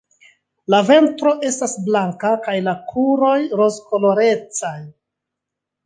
La ventro estas blanka kaj la kruroj rozkolorecaj.